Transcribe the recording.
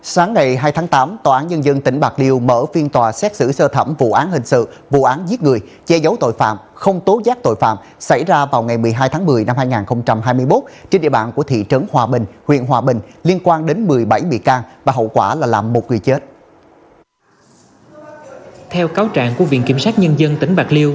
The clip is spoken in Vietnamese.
sáng ngày hai tháng tám tòa án nhân dân tỉnh bạc liêu mở phiên tòa xét xử sơ thẩm vụ án hình sự vụ án giết người che giấu tội phạm không tố giác tội phạm xảy ra vào ngày một mươi hai tháng một mươi năm hai nghìn hai mươi một trên địa bàn của thị trấn hòa bình huyện hòa bình liên quan đến một mươi bảy bị can và hậu quả là làm một người chết